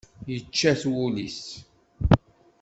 Yečča-t wul-is.